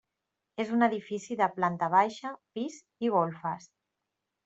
És un edifici de planta baixa, pis i golfes.